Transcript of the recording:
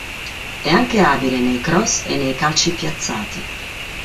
È anche abile nei cross e nei calci piazzati.